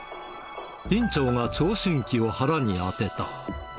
院長が聴診器を腹に当てた。